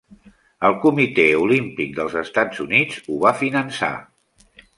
El Comitè Olímpic dels Estats Units ho va finançar.